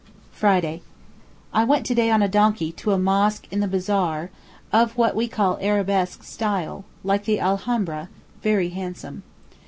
Friday.—I went to day on a donkey to a mosque in the bazaar, of what we call Arabesque style, like the Alhambra, very handsome.